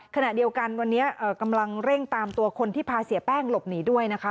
ขณะเดียวกันวันนี้กำลังเร่งตามตัวคนที่พาเสียแป้งหลบหนีด้วยนะคะ